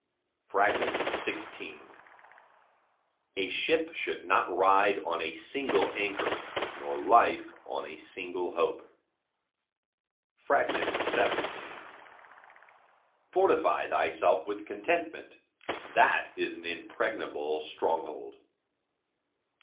XVI A ship should not ride on a single anchor, nor life on a single hope. XVII Fortify thyself with contentment: that is an impregnable stronghold.